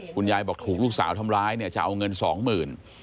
คุณยายบอกถูกลูกสาวทำร้ายเนี่ยจะเอาเงินสองหมื่น